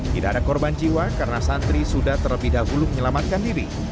tidak ada korban jiwa karena santri sudah terlebih dahulu menyelamatkan diri